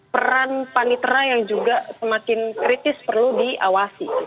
peran panitera yang juga semakin kritis perlu diawasi